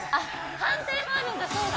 反対もあるんだそうだ